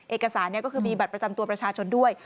เอกสารก็คือมีบัตรประจำตัวประชาชนด้วย